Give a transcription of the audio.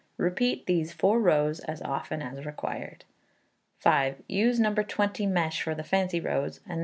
Repeat these four rows as often as required. v. Use No. 20 mesh for the fancy rows, and No.